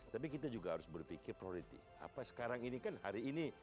tapi kita juga harus berpikir prioritas apa sekarang ini kan hari ini